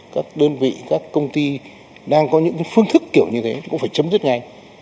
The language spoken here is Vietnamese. các đơn vị các công ty đang có những phương thức kiểu như thế cũng phải chấm dứt ngay